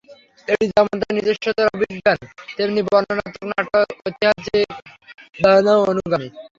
এটি যেমন তাঁর নিজস্বতার অভিজ্ঞান, তেমনি বর্ণনাত্মক নাট্যের ঐতিহ্যিক ধারারও অনুগামী।